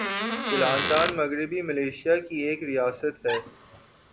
"Kelantan" مغربی Malaysia کی ایک ریاست ہے۔